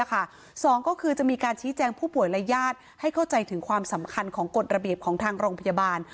สองก็คือจะมีการชี้แจงผู้ป่วยและญาติให้เข้าใจถึงความสำคัญของกฎระเบียบของทางโรงพยาบาล